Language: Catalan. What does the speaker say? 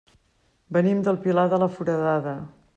Venim del Pilar de la Foradada.